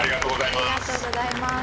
ありがとうございます。